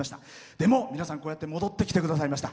でも、皆さん、こうやって戻ってきてくださいました。